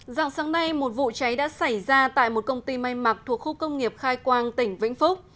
dạng sáng nay một vụ cháy đã xảy ra tại một công ty may mặc thuộc khu công nghiệp khai quang tỉnh vĩnh phúc